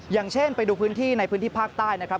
อย่างเช่นไปดูพื้นที่ในพื้นที่ภาคใต้นะครับ